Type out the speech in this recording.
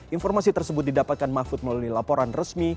informasi tersebut didapatkan mahfud melalui laporan resmi